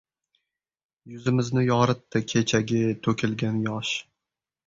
Yuzimizni yoritdi kechagi to‘kilgan yosh